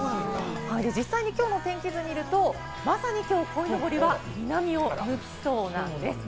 実際に今日の天気図を見ると、まさに今日こいのぼりは南を向きそうなんです。